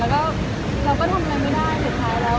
แล้วก็ทำไงไม่ได้สุดท้าย